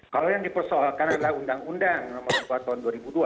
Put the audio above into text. kalau yang dipersoalkan adalah undang undang nomor dua tahun dua ribu dua